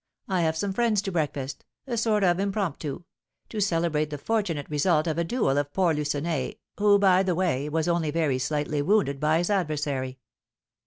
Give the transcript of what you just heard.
I have some friends to breakfast, a sort of impromptu, to celebrate the fortunate result of a duel of poor Lucenay, who, by the way, was only very slightly wounded by his adversary."